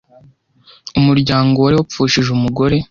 umuryango wari wapfushije umugore